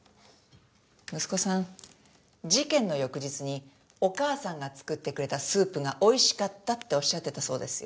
息子さん事件の翌日にお母さんが作ってくれたスープが美味しかったっておっしゃってたそうですよ。